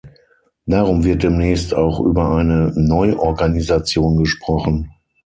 Darum wird demnächst auch über eine Neuorganisation gesprochen.